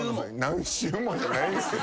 「何周も」じゃないですよ。